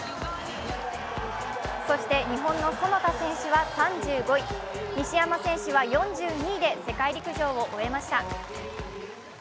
そして日本の其田選手は３５位、西山選手は４２位で世界陸上を終えました。